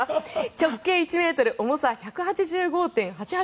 直径１ｍ重さ１８５．８８